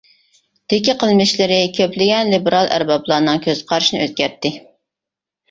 دىكى قىلمىشلىرى كۆپلىگەن لىبېرال ئەربابلارنىڭ كۆز قارىشىنى ئۆزگەرتتى.